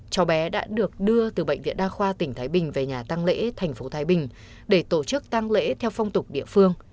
cháu bé đã được đưa từ bệnh viện đa khoa tỉnh thái bình về nhà tăng lễ thành phố thái bình để tổ chức tăng lễ theo phong tục địa phương